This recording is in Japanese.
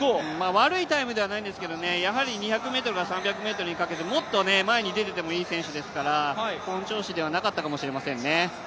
悪いタイムじゃないんですけどねやはり２００ｍから３００ｍにかけてもっと前に出ていてもいい選手ですから本調子ではなかったかもしれませんね。